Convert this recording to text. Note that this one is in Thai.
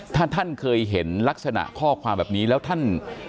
ถ้าท่านเคยเห็นลักษณะข้อความแบบนี้แล้วท่าน